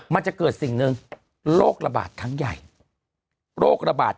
มันจะเกิดสิ่งหนึ่งโรคระบาดครั้งใหญ่โรคระบาด